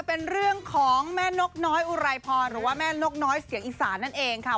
เป็นเรื่องของแม่นกน้อยอุไรพรหรือว่าแม่นกน้อยเสียงอีสานนั่นเองค่ะ